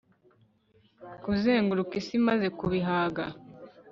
kuzenguruka isi maze kubihaga